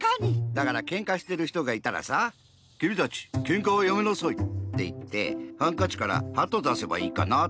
だからけんかしてるひとがいたらさ「きみたちけんかはやめなさい！」っていってハンカチからハトだせばいいかなぁって。